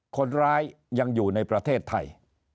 คนร้ายยังอยู่ในประเทศไทย